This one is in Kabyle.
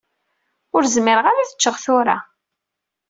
Ur zmireɣ ara ad ččeɣ tura.